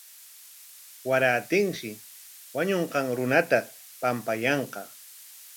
Warantinshi wañunqan runata pampayanqa.